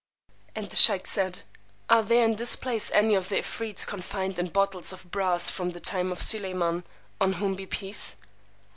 And the sheykh said, Are there in this place any of the 'Efreets confined in bottles of brass from the time of Suleymán, on whom be peace?